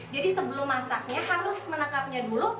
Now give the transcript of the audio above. jadi sebelum masaknya harus menangkapnya dulu